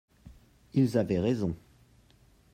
Ils avaient raison.